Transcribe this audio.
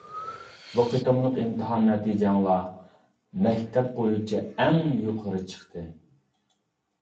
بۇ قېتىملىق ئىمتىھان نەتىجەڭلار مەكتەپ بويىچە ئەڭ يۇقىرى چىقتى.